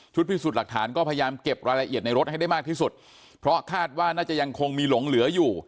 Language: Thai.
พิสูจน์หลักฐานก็พยายามเก็บรายละเอียดในรถให้ได้มากที่สุดเพราะคาดว่าน่าจะยังคงมีหลงเหลืออยู่